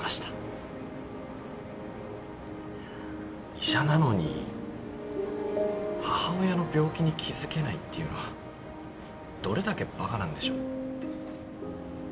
医者なのに母親の病気に気付けないっていうのはどれだけバカなんでしょう。